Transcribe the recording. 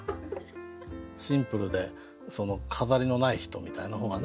シンプルで飾りのない人みたいな方がね